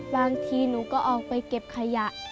บางทีหนูก็ออกไปเก็บขยะ